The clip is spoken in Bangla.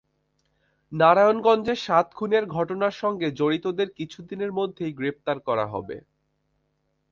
নারায়ণগঞ্জের সাত খুনের ঘটনার সঙ্গে জড়িতদের কিছুদিনের মধ্যেই গ্রেপ্তার করা হবে।